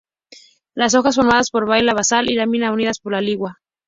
Las hojas formada por vaina basal y lámina, unidas por la lígula.